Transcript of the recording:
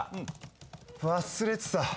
忘れてた。